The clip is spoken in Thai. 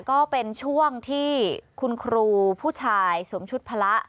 ก็เป็นช่วงที่คุณครูผู้ชายสวมชุดพละ